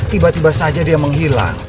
tiba tiba saja dia menghilang